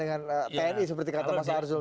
dengan tni seperti kata mas arzul